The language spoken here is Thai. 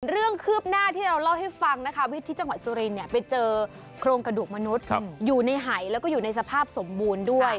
คืบหน้าที่เราเล่าให้ฟังนะคะวิทย์ที่จังหวัดสุรินไปเจอโครงกระดูกมนุษย์อยู่ในหายแล้วก็อยู่ในสภาพสมบูรณ์ด้วย